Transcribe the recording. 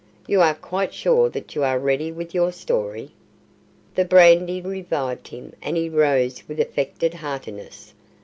You are quite sure that you are ready with your story?" The brandy revived him, and he rose with affected heartiness.